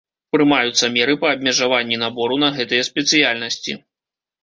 Прымаюцца меры па абмежаванні набору на гэтыя спецыяльнасці.